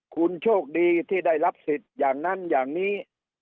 คุณโชคดีที่ได้รับสิทธิ์อย่างนั้นอย่างนี้